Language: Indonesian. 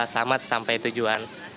selamat sampai tujuan